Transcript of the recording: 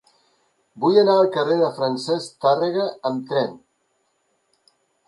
Vull anar al carrer de Francesc Tàrrega amb tren.